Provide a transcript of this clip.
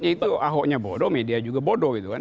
itu ahoknya bodoh media juga bodoh gitu kan